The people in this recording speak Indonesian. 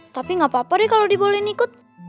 tapi gapapa deh kalau dibohon ikut